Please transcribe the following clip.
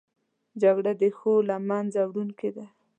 جګړه د ښو له منځه وړونکې ده